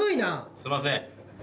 すいません。